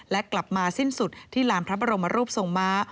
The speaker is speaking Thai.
และกลับมาสิ้นสุดที่ลานพระบรมรูปทรงม้า